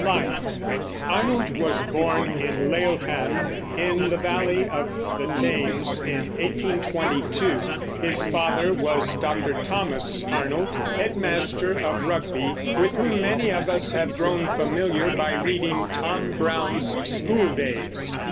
LIFE. Arnold was born in Laleham, in the valley of the Thames, in 1822. His father was Dr. Thomas Arnold, head master of Rugby, with whom many of us have grown familiar by reading Tom Brown's School Days.